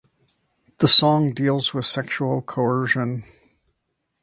The song deals with sexual coercion.